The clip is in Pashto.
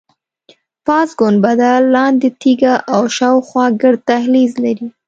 پاس ګنبده، لاندې تیږه او شاخوا ګرد دهلیز لري.